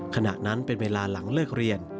ขณะนั้นเป็นเวลาหลังเลิกเรียน